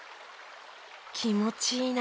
きもちいいな。